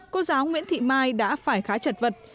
cô giáo nguyễn thị mai đã phải khá chật vật